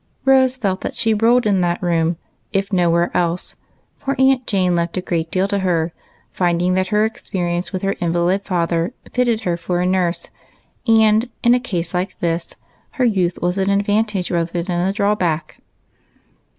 Rose felt that she ruled in that room, if nowhere else, for Aunt Jane left a great deal to her, finding that her experience with her invalid father fitted her for a nurse, and in a case like this her youth was an advantage rather than a drawback.